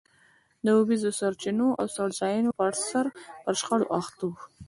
د اوبیزو سرچینو او څړځایونو پرسر پر شخړو اخته وو.